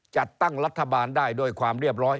จัดตั้งรัฐบาลได้ด้วยความเรียบร้อย